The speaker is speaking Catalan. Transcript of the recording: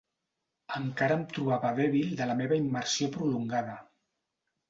Encara em trobava dèbil de la meva immersió prolongada.